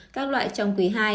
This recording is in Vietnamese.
các loại trong quý hai